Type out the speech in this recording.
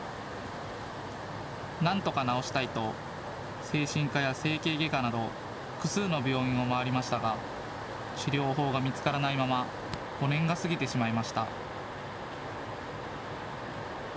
なんとか治したいと精神科や整形外科など複数の病院を回りましたが治療法が見つからないまま５年が過ぎてしまいました。